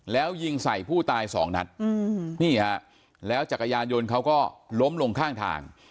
แล้วยิงใส่ผู้ตายสองนัดนี่ฮะแล้วจักรยานยนต์เขาก็ล้มลงข้างทาง